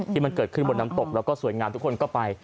ที่มันเกิดขึ้นบนน้ำตกแล้วก็สวยงามทุกคนก็ไป